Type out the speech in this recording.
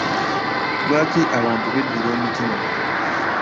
Lwaki abantu b'eddira omutima.